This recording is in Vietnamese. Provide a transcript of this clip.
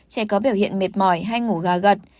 trẻ có biểu hiện mệt mỏi hay ngủ gà gật